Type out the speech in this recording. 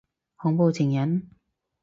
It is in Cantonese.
恐怖情人？